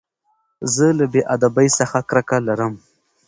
زه له بې ادبۍ څخه کرکه لرم.